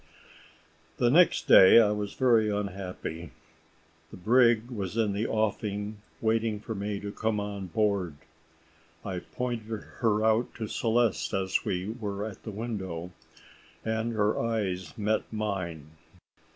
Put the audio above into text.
The next day I was very unhappy. The brig was in the offing waiting for me to come on board. I pointed her out to Celeste as we were at the window, and her eyes met mine.